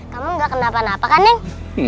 kamu tidak kenapa napa kan neng